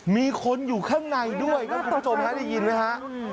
มีคนอยู่ข้างในด้วยครับคุณผู้ชมฮะได้ยินไหมฮะ